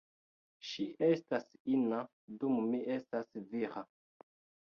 Ŝi estas ina dum mi estas vira.